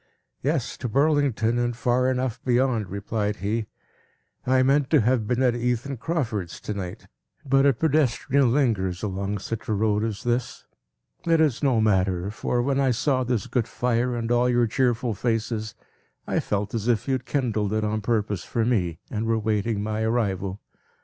"Yes; to Burlington, and far enough beyond," replied he. "I meant to have been at Ethan Crawford's to night; but a pedestrian lingers along such a road as this. It is no matter; for, when I saw this good fire, and all your cheerful faces, I felt as if you had kindled it on purpose for me, and were waiting my arrival.